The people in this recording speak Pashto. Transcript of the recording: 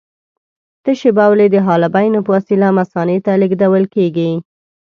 تشې بولې د حالبیونو په وسیله مثانې ته لېږدول کېږي.